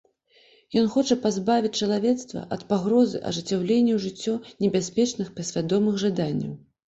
Ён хоча пазбавіць чалавецтва ад пагрозы ажыццяўлення ў жыццё небяспечных падсвядомых жаданняў.